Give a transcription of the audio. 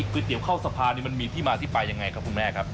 เตี๋ยเข้าสะพานนี่มันมีที่มาที่ไปยังไงครับคุณแม่ครับ